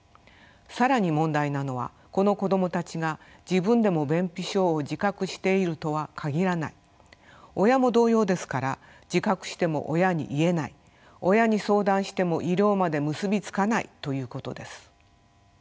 更に問題なのはこの子どもたちが自分でも便秘症を自覚しているとは限らない親も同様ですから自覚しても親に言えない親に相談しても医療まで結び付かないということです。